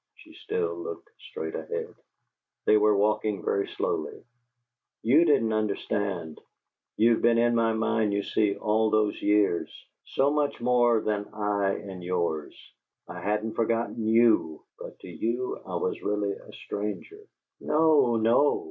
She still looked straight ahead. They were walking very slowly. "You didn't understand. You'd been in my mind, you see, all those years, so much more than I in yours. I hadn't forgotten YOU. But to you I was really a stranger " "No, no!"